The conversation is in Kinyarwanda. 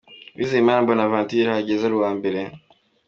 Uwizeyimana Bonaventure yahageze ari uwa mbere .